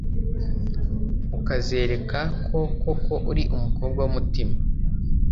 ukazereka ko koko uri umukobwa w'umutima.